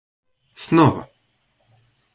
снова